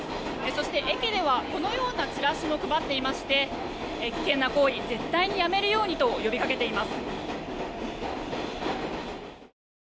そして駅ではこのようなチラシも配っていまして危険な行為、絶対にやめるようにと呼び掛けています。